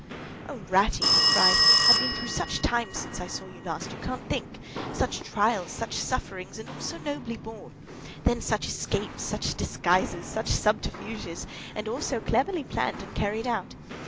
"O, Ratty!" he cried. "I've been through such times since I saw you last, you can't think! Such trials, such sufferings, and all so nobly borne! Then such escapes, such disguises such subterfuges, and all so cleverly planned and carried out!